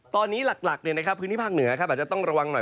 ตอนนี้หลักพื้นที่ภาคเหนืออาจจะต้องระวังหน่อย